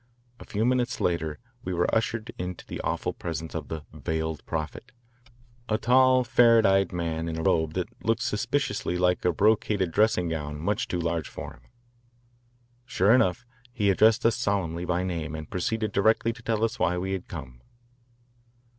A few minutes later we were ushered into the awful presence of the "Veiled Prophet," a tall, ferret eyed man in a robe that looked suspiciously like a brocaded dressing gown much too large for him. Sure enough, he addressed us solemnly by name and proceeded directly to tell us why we had come.